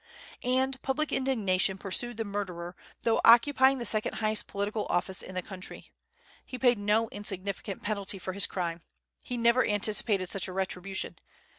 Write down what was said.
And public indignation pursued the murderer, though occupying the second highest political office in the country. He paid no insignificant penalty for his crime. He never anticipated such a retribution.